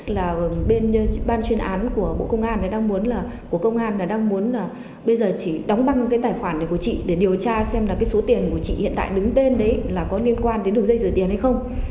là bên ban chuyên án của công an đang muốn là bây giờ chỉ đóng băng cái tài khoản này của chị để điều tra xem là cái số tiền của chị hiện tại đứng tên đấy là có liên quan đến đường dây rửa tiền hay không